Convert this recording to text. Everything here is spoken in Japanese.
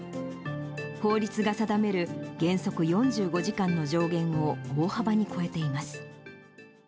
法律が定める原則４５時間の上限を大幅に超えています。